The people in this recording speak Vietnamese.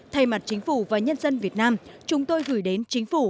thay mặt chính phủ và nhân dân việt nam chúng tôi gửi đến chính phủ